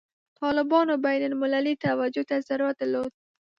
طالبانو بین المللي توجه ته ضرورت درلود.